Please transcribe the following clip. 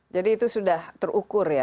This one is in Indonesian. jadi itu sudah terukur ya